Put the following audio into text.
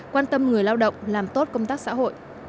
quan tâm người lao động làm tốt công tác xã hội